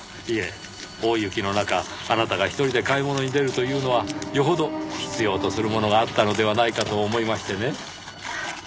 いえ大雪の中あなたが１人で買い物に出るというのはよほど必要とするものがあったのではないかと思いましてね。